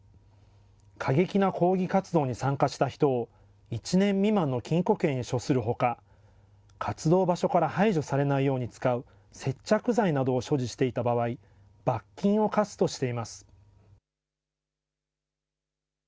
過激な抗議活動に参加した人を、１年未満の禁錮刑に処するほか、活動場所から排除されないように使う接着剤などを所持していた場合、罰金を科すとしています。